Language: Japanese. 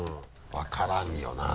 分からんよな。